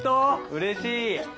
うれしい！